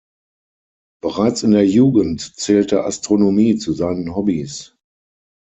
Bereits in der Jugend zählte Astronomie zu seinen Hobbys.